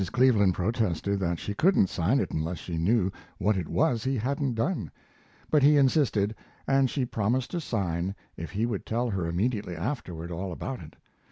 Cleveland protested that she couldn't sign it unless she knew what it was he hadn't done; but he insisted, and she promised to sign if he would tell her immediately afterward all about it.